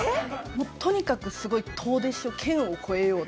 もうとにかくすごい遠出しよう。